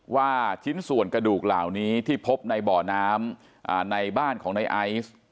ชิ้นส่วนกระดูกเหล่านี้ที่พบในบ่อน้ำในบ้านของในไอซ์